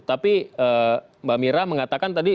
tapi mbak mira mengatakan tadi